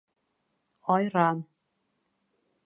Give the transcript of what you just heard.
Айран